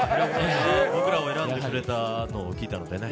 僕らを選んでくれたのを聞いたのでね。